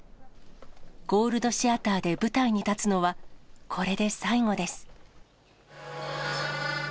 ゴールド・シアターで舞台に立つのは、これで最後です。